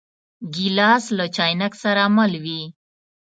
ګیلاس له چاینک سره مل وي.